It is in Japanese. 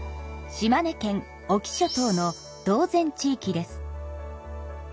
島根県隠岐諸島の島前地域です。